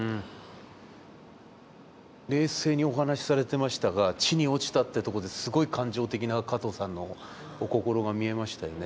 冷静にお話しされてましたが「地に落ちた」ってとこですごい感情的な加藤さんのお心が見えましたよね。